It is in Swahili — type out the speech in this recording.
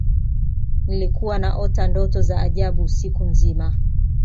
nilikuwa naota ndoto za ajabu usiku mzima